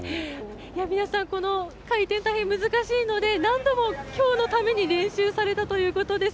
皆さん、この回転、大変難しいので、何度もきょうのために練習されたということです。